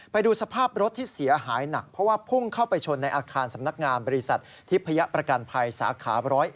ไปดูสภาพรถที่เสียหายหนักเพราะว่าพุ่งเข้าไปชนในอาคารสำนักงานบริษัททิพยประกันภัยสาขา๑๐๑